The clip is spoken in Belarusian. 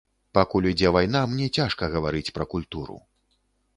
Пакуль ідзе вайна, мне цяжка гаварыць пра культуру.